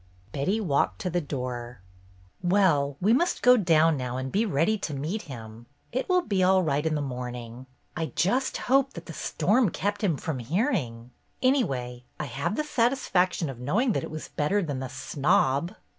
Betty walked to the door. "Well, we must go down now and be ready to meet him. It will be all right in the morn ing ! I just hope that the storm kept him from hearing. Anyway, I have the satisfaction of knowing that it was better than the 'snob.